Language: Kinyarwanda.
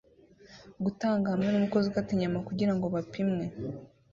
Gutanga hamwe numukozi ukata inyama kugirango bapimwe